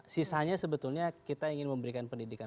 sisanya sebetulnya kita ingin memberikan pendidikan